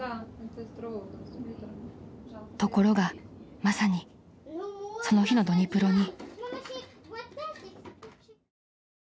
［ところがまさにその日のドニプロに］